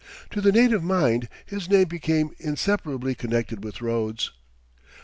To the native mind his name became inseparably connected with roads.